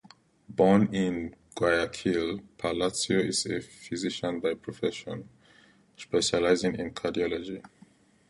Born in Guayaquil, Palacio is a physician by profession, specializing in cardiology.